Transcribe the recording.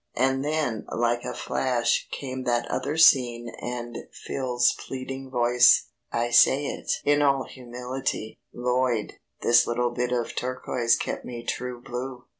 And then like a flash came that other scene and Phil's pleading voice, "I say it in all humility, Lloyd, this little bit of turquoise kept me 'true blue.'"